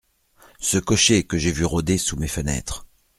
Ce cocher que j’ai vu rôder sous mes fenêtres…